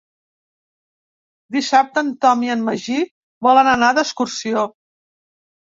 Dissabte en Tom i en Magí volen anar d'excursió.